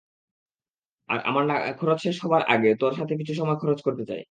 আর আমার খরচ শেষ হবার আগে, তোর সাথে কিছু সময় খরচ করতে চাই।